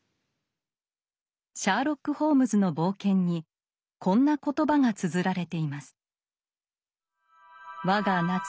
「シャーロック・ホームズの冒険」にこんな言葉がつづられています。